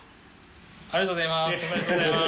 ありがとうございます！